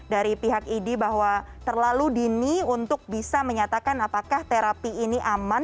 dari pihak idi bahwa terlalu dini untuk bisa menyatakan apakah terapi ini aman